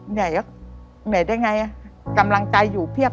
เหนื่อยได้ไงกำลังใจอยู่เพียบ